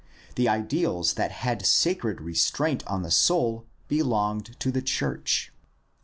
The ideals that had sacred restraint on the soul belonged to the church.